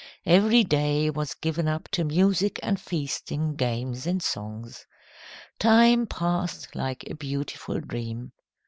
Every day was given up to music and feasting, games and songs. Time passed like a beautiful dream.